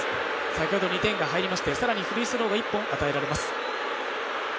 先ほど２点が決まりまして更にフリースローが１本与えられます。